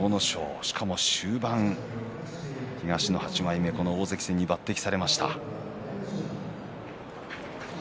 しかも終盤東の８枚目で大関戦に抜てきされました。